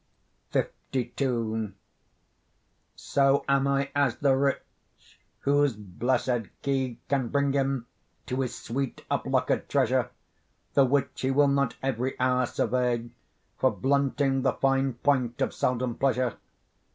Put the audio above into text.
LII So am I as the rich, whose blessed key, Can bring him to his sweet up locked treasure, The which he will not every hour survey, For blunting the fine point of seldom pleasure.